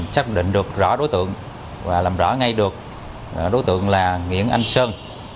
xác định được rõ đối tượng và làm rõ ngay được đối tượng là nguyễn anh sơn